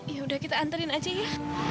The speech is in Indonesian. yaudah kita anterin aja ya